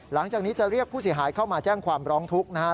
หลังจากนี้จะเรียกผู้เสียหายเข้ามาแจ้งความร้องทุกข์นะครับ